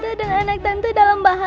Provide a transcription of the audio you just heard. tante dan anak tante dalam bahaya